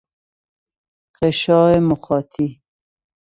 غشای مخاطی